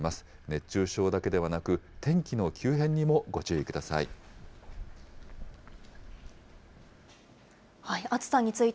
熱中症だけでなく、天気の急変にもご注意ください。